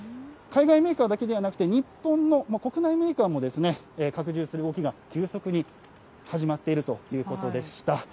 海外メーカーだけではなくて、日本の国内メーカーも拡充する動きが急速に始まっているということでした。